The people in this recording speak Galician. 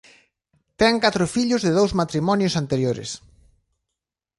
Ten catro fillos de dous matrimonios anteriores.